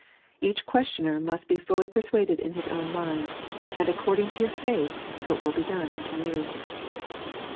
Each questioner must be fully persuaded in hie own mind ; and according to your faith, so it will be done unto you.